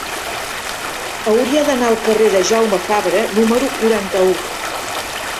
Hauria d'anar al carrer de Jaume Fabra número quaranta-u.